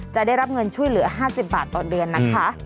จะได้รับเงินช่วยเหลือ๕๐บาทต่อเดือนนะคะ